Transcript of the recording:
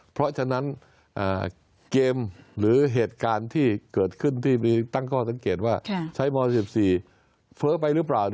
เพราะฉะนั้นเกมหรือเหตุการณ์ที่เกิดขึ้นที่มีตั้งข้อสังเกตว่าใช้ม๑๔เฟ้อไปหรือเปล่า